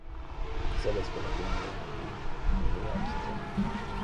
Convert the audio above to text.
Hizo la escuela primaria en La Quintana.